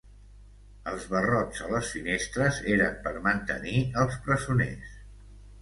Els barrots a les finestres eren per mantenir els presoners.